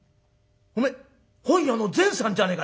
お前本屋の善さんじゃねえか」。